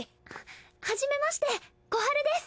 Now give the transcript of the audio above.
はじめましてコハルです。